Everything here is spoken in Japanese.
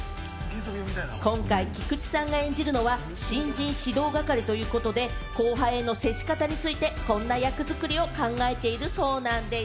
今回、菊池さんが演じるのは新人指導係ということで、後輩への接し方についてこんな役作りを考えているそうなんです。